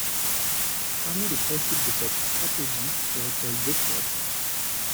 Parmi les principes de cette stratégie, je retiens deux points.